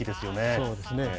そうですね。